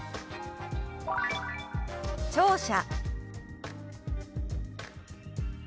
「聴者」。